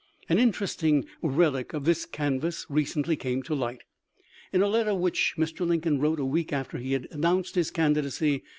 An interesting relic of this canvass 1 68 THE LIFE OF LINCOLN. recently came to light, in a letter which Mr. Lin coln wrote a week afte,r he had announced his can didacy.